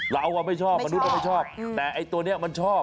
เราไม่ชอบมนุษย์ไม่ชอบแต่ไอ้ตัวนี้มันชอบ